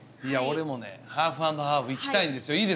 いや俺もハーフ＆ハーフいきたいんですよ